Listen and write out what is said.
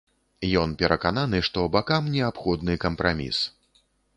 Ён перакананы, што бакам неабходны кампраміс.